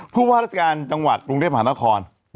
ผู้ว่าราชการจังหวัดกรุงเทพหานคร